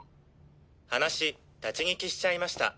話立ち聞きしちゃいました。